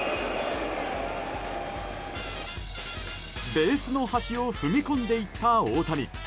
ベースの端を踏み込んでいった大谷。